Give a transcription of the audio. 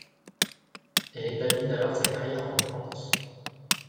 Elle établit alors sa carrière en France.